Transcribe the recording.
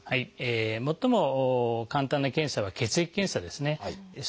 最も簡単な検査は血液検査ですね。